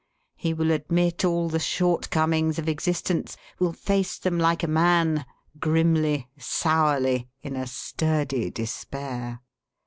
He will admit all the shortcomings of existence, will face them like a man, grimly, sourly, in a sturdy despair.